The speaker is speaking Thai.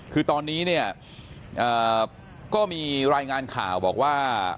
คือตอนนี้เนี่ยก็มีรายงานข่าวบอกว่า